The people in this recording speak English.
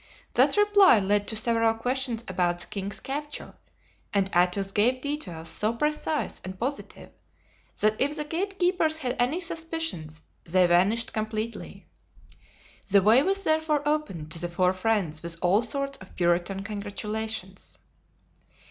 That reply led to several questions about the king's capture, and Athos gave details so precise and positive that if the gatekeepers had any suspicions they vanished completely. The way was therefore opened to the four friends with all sorts of Puritan congratulations.